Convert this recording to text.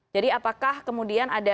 jadi apakah kemudian ada